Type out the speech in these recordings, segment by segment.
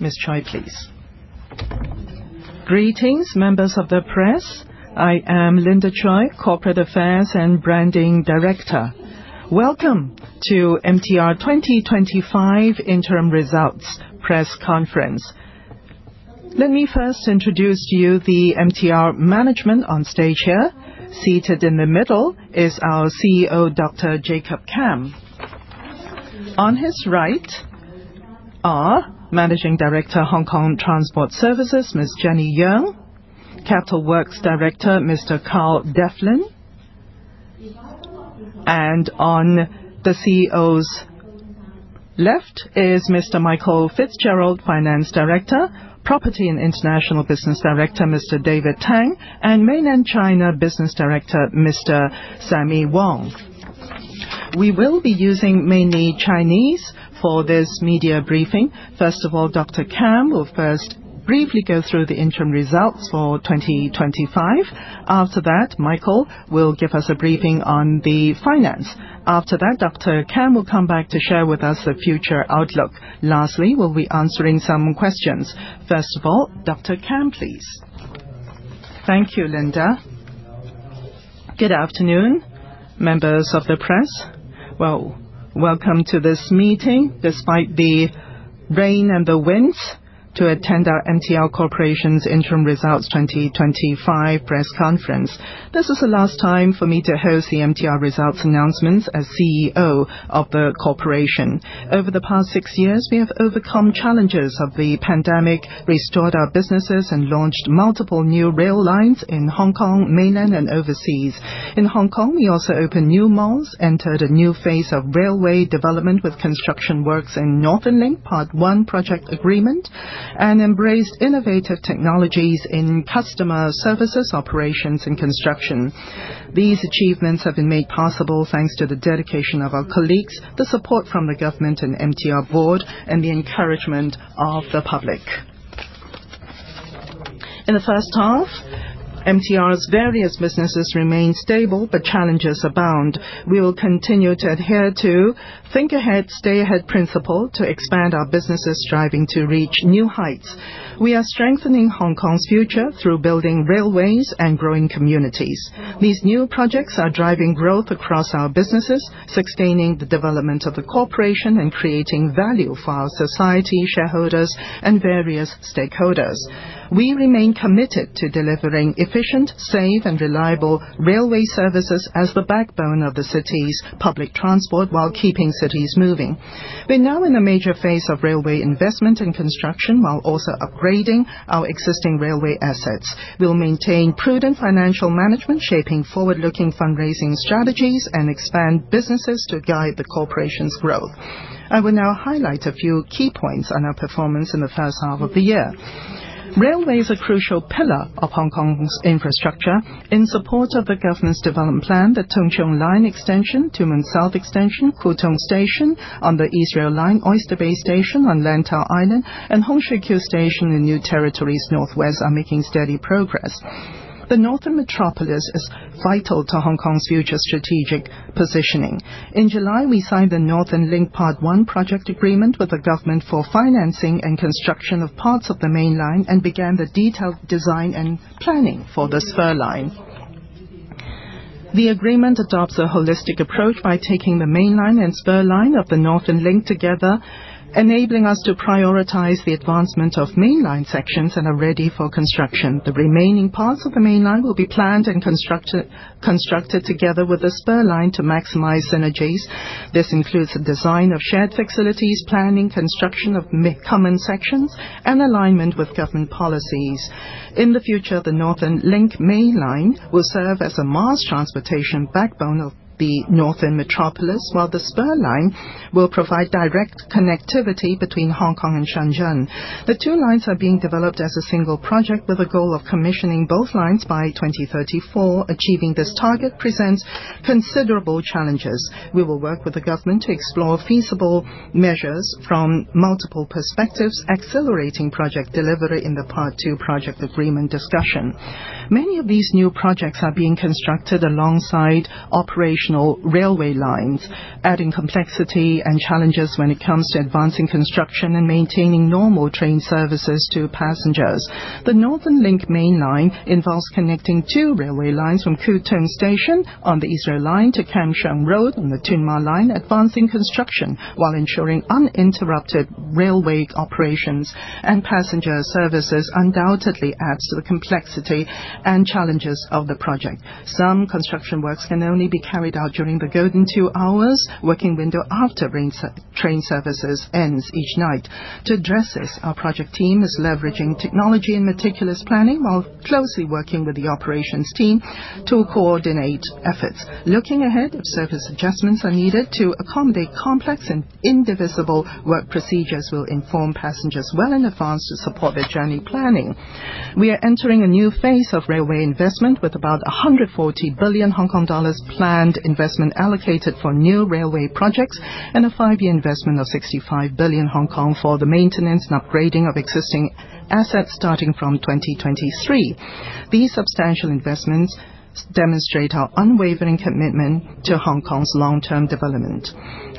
Ms. Choy, please. Greetings, members of the press. I am Linda Choy, Corporate Affairs and Branding Director. Welcome to MTR 2025 Interim Results Press Conference. Let me first introduce to you the MTR management on stage here. Seated in the middle is our CEO, Dr. Jacob Kam. On his right are Managing Director, Hong Kong Transport Services, Ms. Jenny Yeung; Capital Works Director, Mr. Carl Devlin; and on the CEO's left is Mr. Michael Fitzgerald, Finance Director; Property and International Business Director, Mr. David Tang; and Mainland China Business Director, Mr. Sammy Wong. We will be using mainly Chinese for this media briefing. First of all, Dr. Kam will first briefly go through the interim results for 2025. After that, Michael will give us a briefing on the finance. After that, Dr. Kam will come back to share with us the future outlook. Lastly, we'll be answering some questions. First of all, Dr. Kam, please. Thank you, Linda. Good afternoon, members of the press. Welcome to this meeting despite the rain and the winds to attend our MTR Corporation's Interim Results 2025 Press Conference. This is the last time for me to host the MTR results announcements as CEO of the corporation. Over the past six years, we have overcome challenges of the pandemic, restored our businesses, and launched multiple new rail lines in Hong Kong, mainland, and overseas. In Hong Kong, we also opened new malls, entered a new phase of railway development with construction works in Northern Link Part One project agreement, and embraced innovative technologies in customer services, operations, and construction. These achievements have been made possible thanks to the dedication of our colleagues, the support from the government and MTR Board, and the encouragement of the public. In the first half, MTR's various businesses remain stable, but challenges abound. We will continue to adhere to the think-ahead, stay-ahead principle to expand our businesses, striving to reach new heights. We are strengthening Hong Kong's future through building railways and growing communities. These new projects are driving growth across our businesses, sustaining the development of the corporation, and creating value for our society, shareholders, and various stakeholders. We remain committed to delivering efficient, safe, and reliable railway services as the backbone of the city's public transport while keeping cities moving. We're now in a major phase of railway investment and construction while also upgrading our existing railway assets. We'll maintain prudent financial management, shaping forward-looking fundraising strategies, and expand businesses to guide the corporation's growth. I will now highlight a few key points on our performance in the first half of the year. Railways are a crucial pillar of Hong Kong's infrastructure in support of the government's development plan. The Tung Chung Line Extension, Tuen Mun South Extension, Kwu Tung Station on the East Rail Line, Oyster Bay Station on Lantau Island, and Hung Shui Kiu Station in New Territories Northwest are making steady progress. The Northern Metropolis is vital to Hong Kong's future strategic positioning. In July, we signed the Northern Link Part One project agreement with the government for financing and construction of parts of the mainline and began the detailed design and planning for the spur line. The agreement adopts a holistic approach by taking the mainline and spur line of the Northern Link together, enabling us to prioritize the advancement of mainline sections and are ready for construction. The remaining parts of the mainline will be planned and constructed together with the spur line to maximize synergies. This includes the design of shared facilities, planning, construction of common sections, and alignment with government policies. In the future, the Northern Link mainline will serve as a mass transportation backbone of the Northern Metropolis, while the spur line will provide direct connectivity between Hong Kong and Shenzhen. The two lines are being developed as a single project with a goal of commissioning both lines by 2034. Achieving this target presents considerable challenges. We will work with the government to explore feasible measures from multiple perspectives, accelerating project delivery in the Part Two project agreement discussion. Many of these new projects are being constructed alongside operational railway lines, adding complexity and challenges when it comes to advancing construction and maintaining normal train services to passengers. The Northern Link mainline involves connecting two railway lines from Kwu Tung Station on the East Rail Line to Kam Sheung Road on the Tuen Ma Line, advancing construction while ensuring uninterrupted railway operations and passenger services undoubtedly adds to the complexity and challenges of the project. Some construction works can only be carried out during the golden two hours working window after the train services end each night. To address this, our project team is leveraging technology and meticulous planning while closely working with the operations team to coordinate efforts. Looking ahead, if service adjustments are needed to accommodate complex and indivisible work procedures, we'll inform passengers well in advance to support their journey planning. We are entering a new phase of railway investment with about 140 billion Hong Kong dollars planned investment allocated for new railway projects and a five-year investment of 65 billion Hong Kong for the maintenance and upgrading of existing assets starting from 2023. These substantial investments demonstrate our unwavering commitment to Hong Kong's long-term development.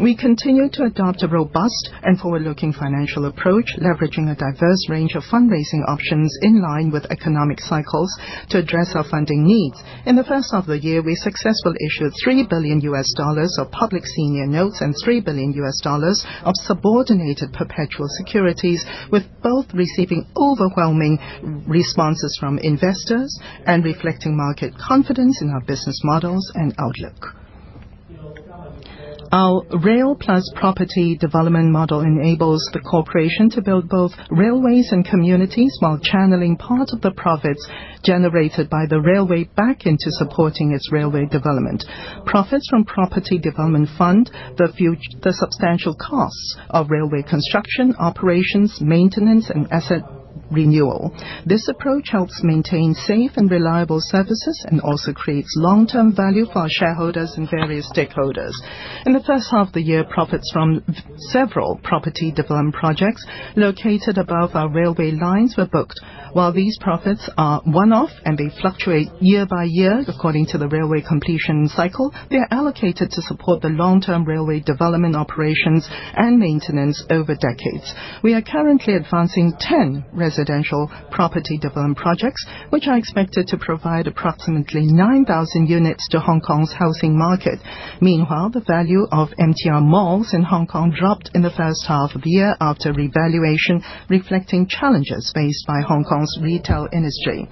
We continue to adopt a robust and forward-looking financial approach, leveraging a diverse range of fundraising options in line with economic cycles to address our funding needs. In the first half of the year, we successfully issued HKD 3 billion of public senior notes and HKD 3 billion of subordinated perpetual securities, with both receiving overwhelming responses from investors and reflecting market confidence in our business models and outlook. Our rail plus property development model enables the corporation to build both railways and communities while channeling part of the profits generated by the railway back into supporting its railway development. Profits from property development fund the substantial costs of railway construction, operations, maintenance, and asset renewal. This approach helps maintain safe and reliable services and also creates long-term value for our shareholders and various stakeholders. In the first half of the year, profits from several property development projects located above our railway lines were booked. While these profits are one-off and they fluctuate year by year according to the railway completion cycle, they are allocated to support the long-term railway development operations and maintenance over decades. We are currently advancing ten residential property development projects, which are expected to provide approximately 9,000 units to Hong Kong's housing market. Meanwhile, the value of MTR malls in Hong Kong dropped in the first half of the year after revaluation, reflecting challenges faced by Hong Kong's retail industry.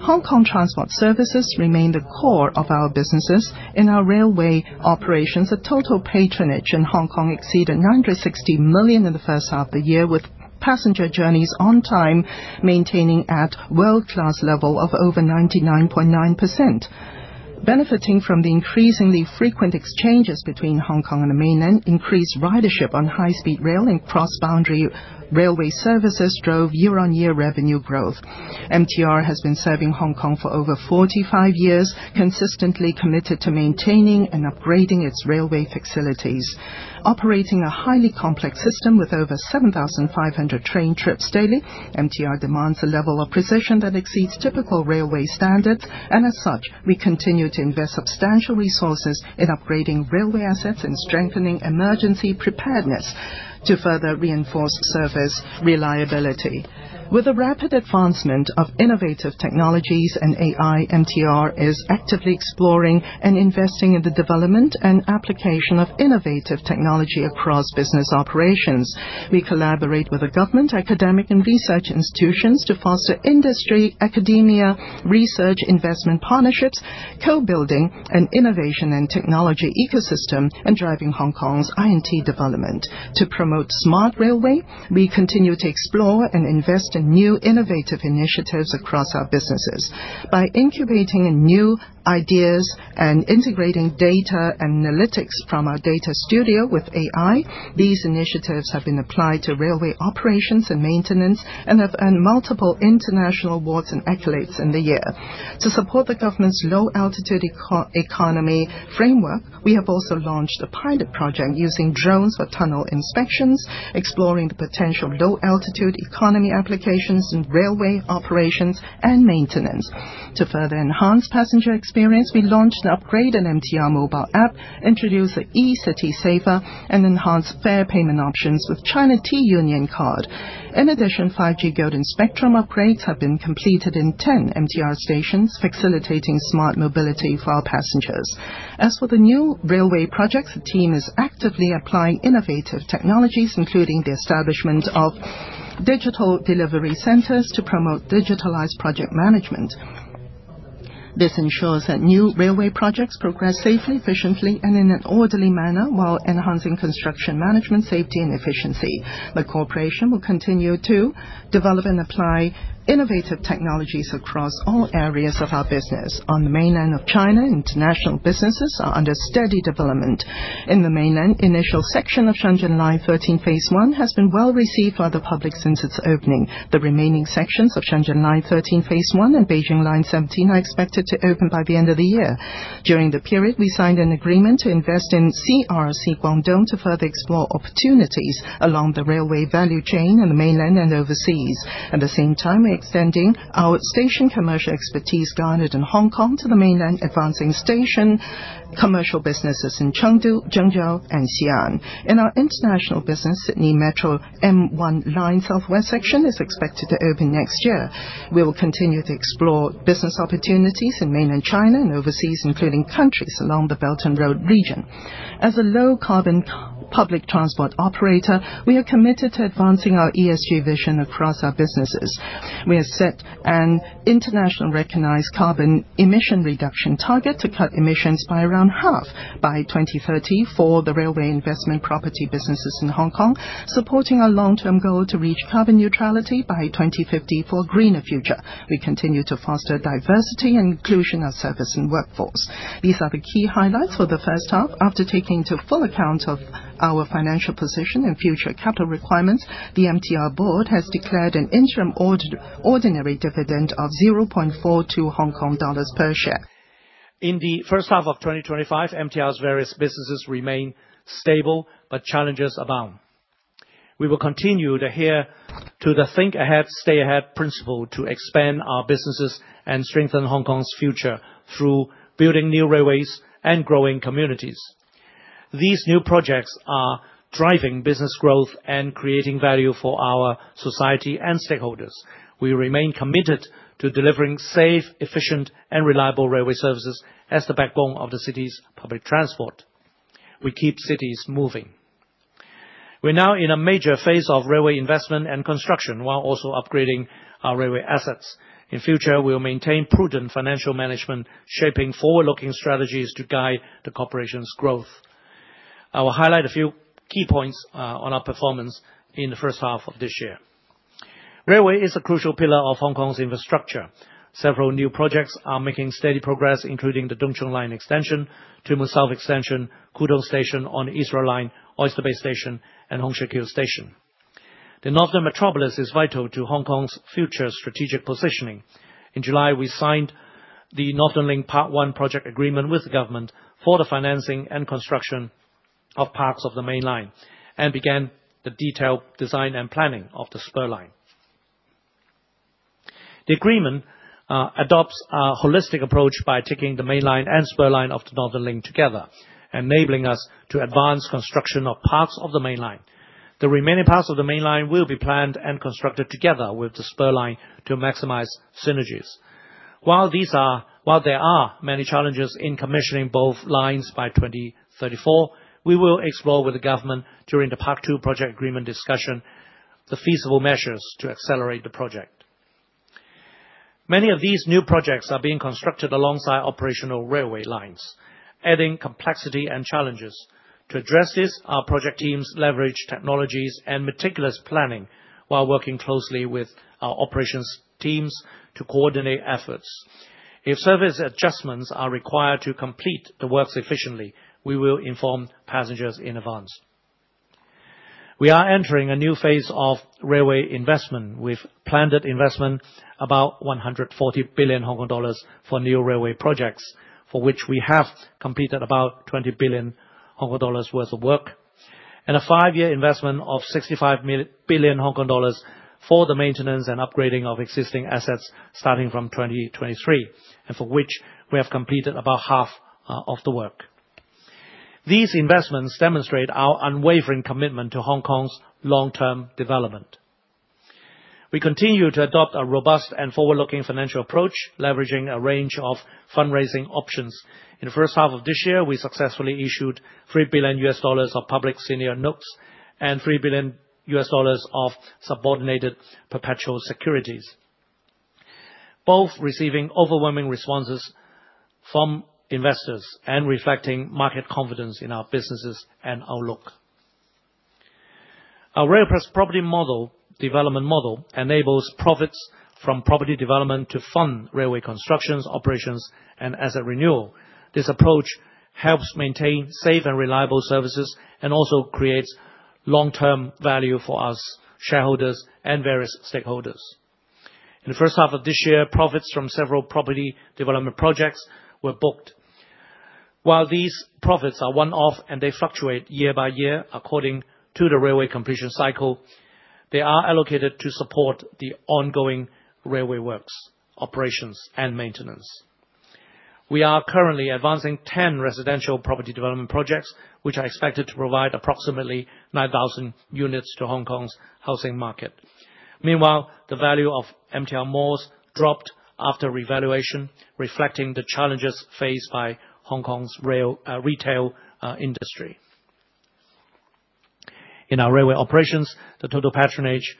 Hong Kong Transport Services remain the core of our businesses. In our railway operations, the total patronage in Hong Kong exceeded 960 million in the first half of the year, with passenger journeys on time maintaining at world-class level of over 99.9%. Benefiting from the increasingly frequent exchanges between Hong Kong and the mainland, increased ridership on high-speed rail and cross-boundary railway services drove year-on-year revenue growth. MTR has been serving Hong Kong for over 45 years, consistently committed to maintaining and upgrading its railway facilities. Operating a highly complex system with over 7,500 train trips daily, MTR demands a level of precision that exceeds typical railway standards, and as such, we continue to invest substantial resources in upgrading railway assets and strengthening emergency preparedness to further reinforce service reliability. With the rapid advancement of innovative technologies and AI, MTR is actively exploring and investing in the development and application of innovative technology across business operations. We collaborate with the government, academic, and research institutions to foster industry, academia, research, investment partnerships, co-building an innovation and technology ecosystem, and driving Hong Kong's I&T development. To promote smart railway, we continue to explore and invest in new innovative initiatives across our businesses. By incubating new ideas and integrating data and analytics from our data studio with AI, these initiatives have been applied to railway operations and maintenance and have earned multiple international awards and accolades in the year. To support the government's Low-Altitude Economy framework, we have also launched a pilot project using drones for tunnel inspections, exploring the potential Low-Altitude Economy applications in railway operations and maintenance. To further enhance passenger experience, we launched an upgrade in MTR Mobile app, introduced the eCity Saver, and enhanced fare payment options with China T-Union Card. In addition, 5G Golden Spectrum upgrades have been completed in 10 MTR stations, facilitating smart mobility for our passengers. As for the new railway projects, the team is actively applying innovative technologies, including the establishment of Digital Delivery Centers to promote digitalized project management. This ensures that new railway projects progress safely, efficiently, and in an orderly manner while enhancing construction management, safety, and efficiency. The corporation will continue to develop and apply innovative technologies across all areas of our business. On the mainland of China, international businesses are under steady development. In the mainland, initial section of Shenzhen Metro Line 13 Phase One has been well received by the public since its opening. The remaining sections of Shenzhen Metro Line 13 Phase One and Beijing Metro Line 17 are expected to open by the end of the year. During the period, we signed an agreement to invest in CRRC Guangdong to further explore opportunities along the railway value chain in the mainland and overseas. At the same time, we are extending our station commercial expertise garnered in Hong Kong to the mainland, advancing station commercial businesses in Chengdu, Zhengzhou, and Xi'an. In our international business, Sydney Metro M1 Line Southwest section is expected to open next year. We will continue to explore business opportunities in mainland China and overseas, including countries along the Belt and Road region. As a low-carbon public transport operator, we are committed to advancing our ESG vision across our businesses. We have set an internationally recognized carbon emission reduction target to cut emissions by around half by 2030 for the railway investment property businesses in Hong Kong, supporting our long-term goal to reach carbon neutrality by 2050 for a greener future. We continue to foster diversity and inclusion of service and workforce. These are the key highlights for the first half. After taking into full account our financial position and future capital requirements, the MTR board has declared an interim ordinary dividend of HKD 0.42 per share. In the first half of 2025, MTR's various businesses remain stable, but challenges abound. We will continue to adhere to the think-ahead, stay-ahead principle to expand our businesses and strengthen Hong Kong's future through building new railways and growing communities. These new projects are driving business growth and creating value for our society and stakeholders. We remain committed to delivering safe, efficient, and reliable railway services as the backbone of the city's public transport. We keep cities moving. We're now in a major phase of railway investment and construction while also upgrading our railway assets. In future, we will maintain prudent financial management, shaping forward-looking strategies to guide the corporation's growth. I will highlight a few key points on our performance in the first half of this year. Railway is a crucial pillar of Hong Kong's infrastructure. Several new projects are making steady progress, including the Tung Chung Line Extension, Tuen Mun South Extension, Kwu Tung Station on the East Rail Line, Oyster Bay Station, and Hung Shui Kiu Station. The Northern Metropolis is vital to Hong Kong's future strategic positioning. In July, we signed the Northern Link Part One project agreement with the government for the financing and construction of parts of the mainline and began the detailed design and planning of the spur line. The agreement adopts a holistic approach by taking the mainline and spur line of the Northern Link together, enabling us to advance construction of parts of the mainline. The remaining parts of the mainline will be planned and constructed together with the spur line to maximize synergies. While there are many challenges in commissioning both lines by 2034, we will explore with the government during the Part Two project agreement discussion the feasible measures to accelerate the project. Many of these new projects are being constructed alongside operational railway lines, adding complexity and challenges. To address this, our project teams leverage technologies and meticulous planning while working closely with our operations teams to coordinate efforts. If service adjustments are required to complete the works efficiently, we will inform passengers in advance. We are entering a new phase of railway investment with planned investment of about 140 billion Hong Kong dollars for new railway projects, for which we have completed about 20 billion Hong Kong dollars worth of work, and a five-year investment of 65 billion Hong Kong dollars for the maintenance and upgrading of existing assets starting from 2023, and for which we have completed about half of the work. These investments demonstrate our unwavering commitment to Hong Kong's long-term development. We continue to adopt a robust and forward-looking financial approach, leveraging a range of fundraising options. In the first half of this year, we successfully issued HKD three billion of public senior notes and HKD three billion of subordinated perpetual securities, both receiving overwhelming responses from investors and reflecting market confidence in our businesses and outlook. Our rail property development model enables profits from property development to fund railway constructions, operations, and asset renewal. This approach helps maintain safe and reliable services and also creates long-term value for our shareholders and various stakeholders. In the first half of this year, profits from several property development projects were booked. While these profits are one-off and they fluctuate year by year according to the railway completion cycle, they are allocated to support the ongoing railway works, operations, and maintenance. We are currently advancing ten residential property development projects, which are expected to provide approximately 9,000 units to Hong Kong's housing market. Meanwhile, the value of MTR malls dropped after revaluation, reflecting the challenges faced by Hong Kong's retail industry. In our railway operations, the total patronage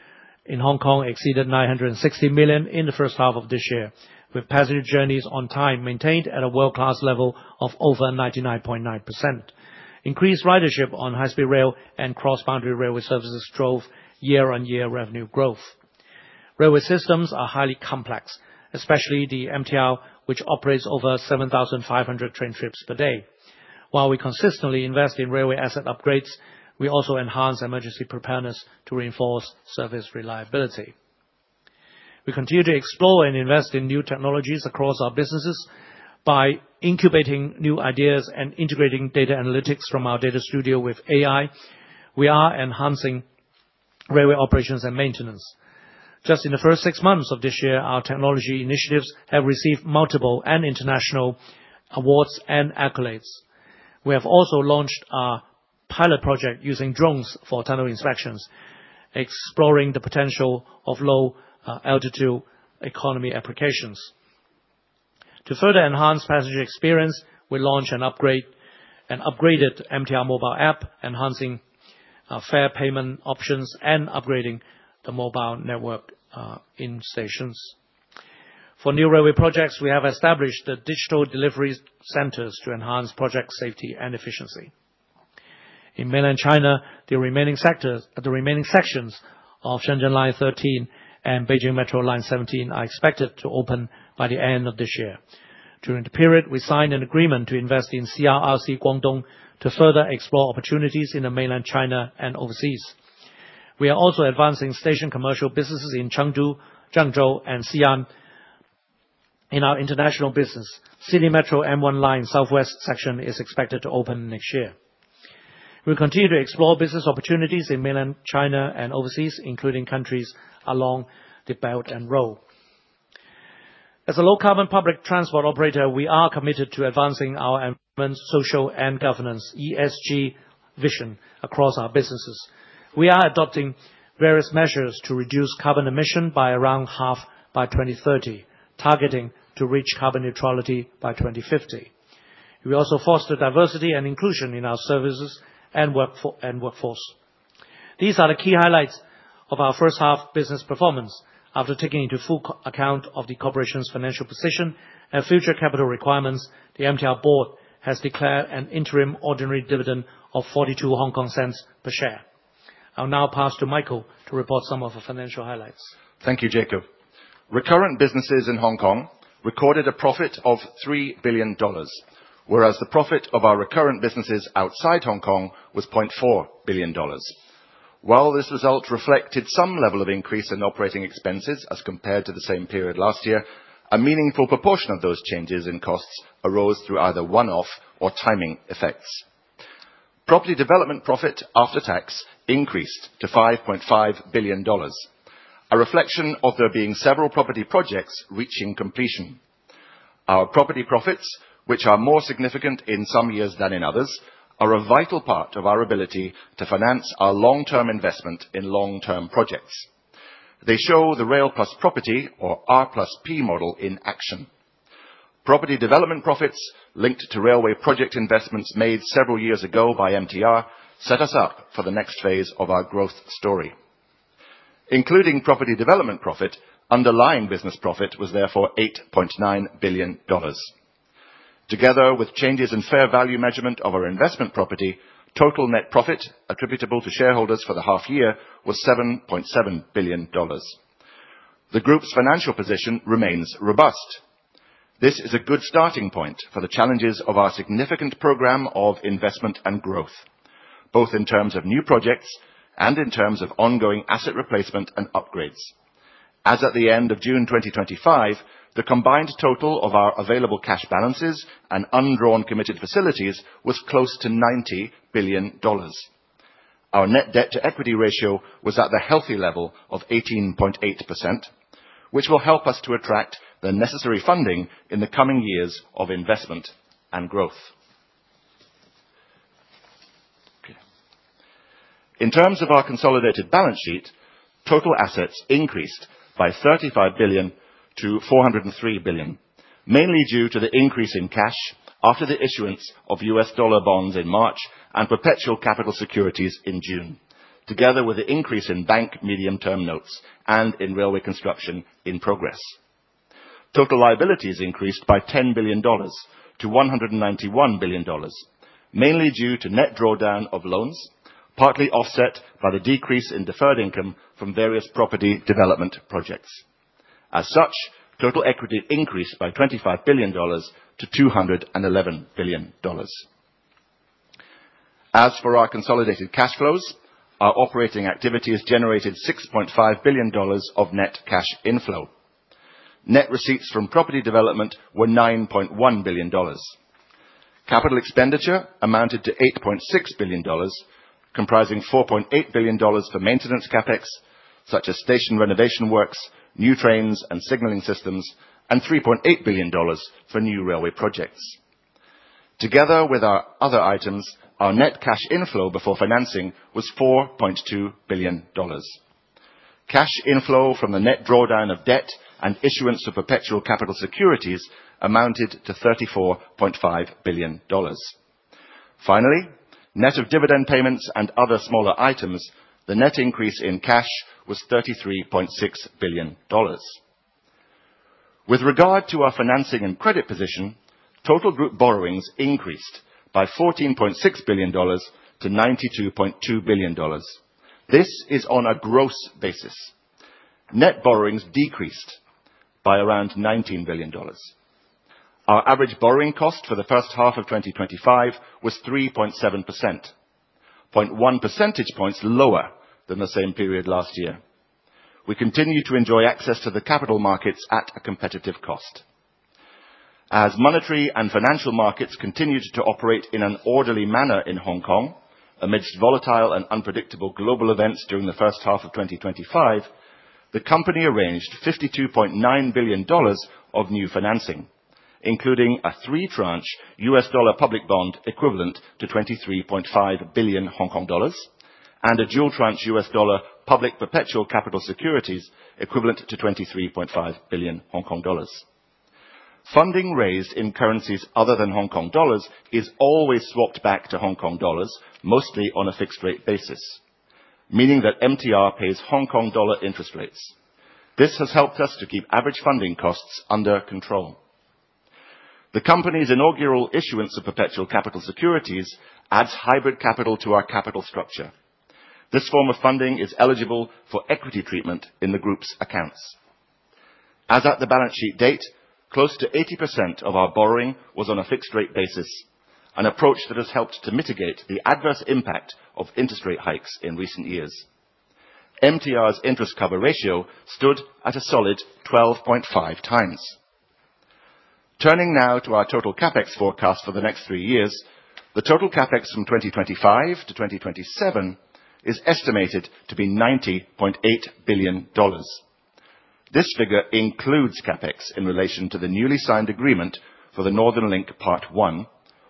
in Hong Kong exceeded 960 million in the first half of this year, with passenger journeys on time maintained at a world-class level of over 99.9%. Increased ridership on high-speed rail and cross-boundary railway services drove year-on-year revenue growth. Railway systems are highly complex, especially the MTR, which operates over 7,500 train trips per day. While we consistently invest in railway asset upgrades, we also enhance emergency preparedness to reinforce service reliability. We continue to explore and invest in new technologies across our businesses. By incubating new ideas and integrating data analytics from our data studio with AI, we are enhancing railway operations and maintenance. Just in the first six months of this year, our technology initiatives have received multiple international awards and accolades. We have also launched a pilot project using drones for tunnel inspections, exploring the potential of Low-Altitude Economy applications. To further enhance passenger experience, we launched an upgraded MTR Mobile app, enhancing fare payment options and upgrading the mobile network in stations. For new railway projects, we have established digital delivery centers to enhance project safety and efficiency. In Mainland China, the remaining sections of Shenzhen Metro Line 13 and Beijing Metro Line 17 are expected to open by the end of this year. During the period, we signed an agreement to invest in CRRC Guangdong to further explore opportunities in Mainland China and overseas. We are also advancing station commercial businesses in Chengdu, Zhengzhou, and Xi'an in our international business. Sydney Metro M1 Line Southwest section is expected to open next year. We continue to explore business opportunities in mainland China and overseas, including countries along the Belt and Road. As a low-carbon public transport operator, we are committed to advancing our environment, social, and governance (ESG) vision across our businesses. We are adopting various measures to reduce carbon emissions by around half by 2030, targeting to reach carbon neutrality by 2050. We also foster diversity and inclusion in our services and workforce. These are the key highlights of our first half business performance. After taking into full account the corporation's financial position and future capital requirements, the MTR board has declared an interim ordinary dividend of 42 per share. I'll now pass to Michael to report some of the financial highlights. Thank you, Jacob. Recurrent businesses in Hong Kong recorded a profit of 3 billion dollars, whereas the profit of our recurrent businesses outside Hong Kong was 0.4 billion dollars. While this result reflected some level of increase in operating expenses as compared to the same period last year, a meaningful proportion of those changes in costs arose through either one-off or timing effects. Property development profit after tax increased to 5.5 billion dollars, a reflection of there being several property projects reaching completion. Our property profits, which are more significant in some years than in others, are a vital part of our ability to finance our long-term investment in long-term projects. They show the Rail plus Property, or R+P model, in action. Property development profits linked to railway project investments made several years ago by MTR set us up for the next phase of our growth story. Including property development profit, underlying business profit was therefore 8.9 billion dollars. Together with changes in fare value measurement of our investment property, total net profit attributable to shareholders for the half year was 7.7 billion dollars. The group's financial position remains robust. This is a good starting point for the challenges of our significant program of investment and growth, both in terms of new projects and in terms of ongoing asset replacement and upgrades. As at the end of June 2025, the combined total of our available cash balances and undrawn committed facilities was close to 90 billion dollars. Our net debt-to-equity ratio was at the healthy level of 18.8%, which will help us to attract the necessary funding in the coming years of investment and growth. In terms of our consolidated balance sheet, total assets increased by 35 billion to 403 billion, mainly due to the increase in cash after the issuance of US dollar bonds in March and perpetual capital securities in June, together with the increase in bank medium-term notes and in railway construction in progress. Total liabilities increased by 10 billion dollars to 191 billion dollars, mainly due to net drawdown of loans, partly offset by the decrease in deferred income from various property development projects. As such, total equity increased by 25 billion dollars to 211 billion dollars. As for our consolidated cash flows, our operating activities generated 6.5 billion dollars of net cash inflow. Net receipts from property development were 9.1 billion dollars. Capital expenditure amounted to 8.6 billion dollars, comprising 4.8 billion dollars for maintenance CapEx, such as station renovation works, new trains and signaling systems, and 3.8 billion dollars for new railway projects. Together with our other items, our net cash inflow before financing was 4.2 billion dollars. Cash inflow from the net drawdown of debt and issuance of perpetual capital securities amounted to 34.5 billion dollars. Finally, net of dividend payments and other smaller items, the net increase in cash was 33.6 billion dollars. With regard to our financing and credit position, total group borrowings increased by 14.6 billion dollars to 92.2 billion dollars. This is on a gross basis. Net borrowings decreased by around 19 billion dollars. Our average borrowing cost for the first half of 2025 was 3.7%, 0.1 percentage points lower than the same period last year. We continue to enjoy access to the capital markets at a competitive cost. As monetary and financial markets continued to operate in an orderly manner in Hong Kong amidst volatile and unpredictable global events during the first half of 2025, the company arranged 52.9 billion dollars of new financing, including a three-tranche U.S. dollar public bond equivalent to 23.5 billion Hong Kong dollars and a dual-tranche U.S. dollar public perpetual capital securities equivalent to 23.5 billion Hong Kong dollars. Funding raised in currencies other than HK dollars is always swapped back to HK dollars, mostly on a fixed-rate basis, meaning that MTR pays HK dollar interest rates. This has helped us to keep average funding costs under control. The company's inaugural issuance of perpetual capital securities adds hybrid capital to our capital structure. This form of funding is eligible for equity treatment in the group's accounts. As at the balance sheet date, close to 80% of our borrowing was on a fixed-rate basis, an approach that has helped to mitigate the adverse impact of interest rate hikes in recent years. MTR's interest cover ratio stood at a solid 12.5 times. Turning now to our total CapEx forecast for the next three years, the total CapEx from 2025 to 2027 is estimated to be 90.8 billion dollars. This figure includes CapEx in relation to the newly signed agreement for the Northern Link Part One,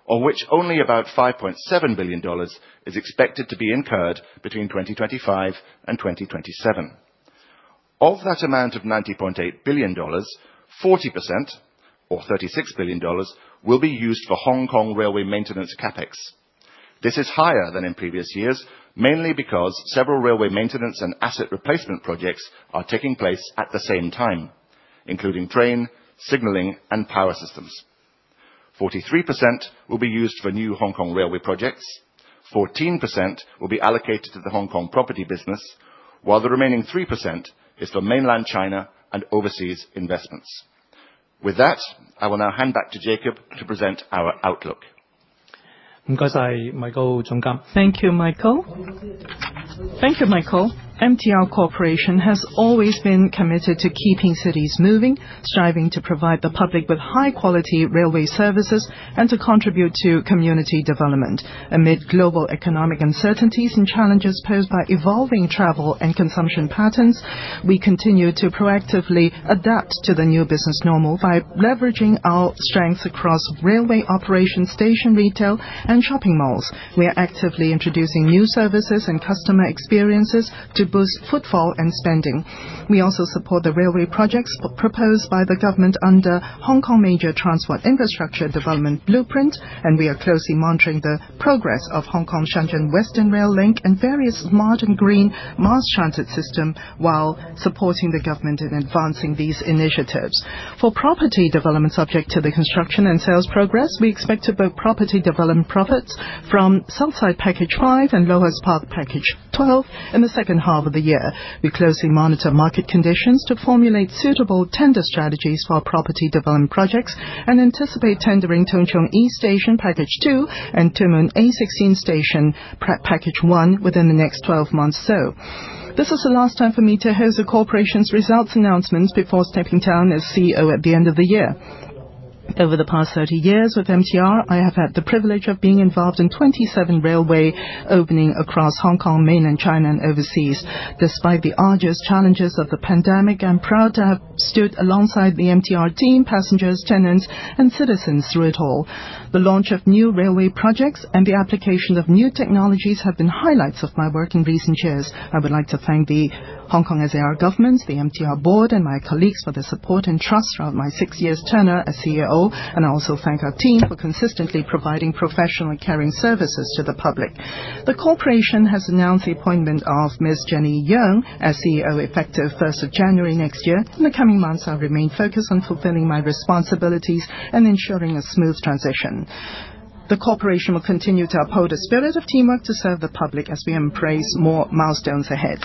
of which only about 5.7 billion dollars is expected to be incurred between 2025 and 2027. Of that amount of HKD 90.8 billion, 40%, or HKD 36 billion, will be used for Hong Kong railway maintenance CapEx. This is higher than in previous years, mainly because several railway maintenance and asset replacement projects are taking place at the same time, including train, signaling, and power systems. 43% will be used for new Hong Kong railway projects, 14% will be allocated to the Hong Kong property business, while the remaining 3% is for mainland China and overseas investments. With that, I will now hand back to Jacob to present our outlook. Thank you, Michael. MTR Corporation has always been committed to keeping cities moving, striving to provide the public with high-quality railway services and to contribute to community development. Amid global economic uncertainties and challenges posed by evolving travel and consumption patterns, we continue to proactively adapt to the new business normal by leveraging our strengths across railway operations, station retail, and shopping malls. We are actively introducing new services and customer experiences to boost footfall and spending. We also support the railway projects proposed by the government under Hong Kong Major Transport Infrastructure Development Blueprint, and we are closely monitoring the progress of Hong Kong-Shenzhen Western Rail Link and various modern green mass transit systems while supporting the government in advancing these initiatives. For property development subject to the construction and sales progress, we expect to book property development profits from Southside Package 5 and LOHAS Park Package 12 in the second half of the year. We closely monitor market conditions to formulate suitable tender strategies for property development projects and anticipate tendering Tung Chung East Station Package 2 and Tuen Mun Area 16 Station Package 1 within the next 12 months or so. This is the last time for me to host the corporation's results announcements before stepping down as CEO at the end of the year. Over the past 30 years with MTR, I have had the privilege of being involved in 27 railway openings across Hong Kong, mainland China, and overseas. Despite the arduous challenges of the pandemic, I am proud to have stood alongside the MTR team, passengers, tenants, and citizens through it all. The launch of new railway projects and the application of new technologies have been highlights of my work in recent years. I would like to thank the Hong Kong SAR Government, the MTR board, and my colleagues for their support and trust throughout my six years tenure as CEO, and I also thank our team for consistently providing professional and caring services to the public. The corporation has announced the appointment of Ms. Jenny Yeung as CEO effective 1 January next year. In the coming months, I will remain focused on fulfilling my responsibilities and ensuring a smooth transition. The corporation will continue to uphold the spirit of teamwork to serve the public as we embrace more milestones ahead.